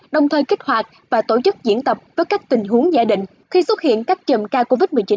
đồng thời kích hoạt và tổ chức diễn tập với các tình huống dễ định khi xuất hiện các chùm ca covid một mươi chín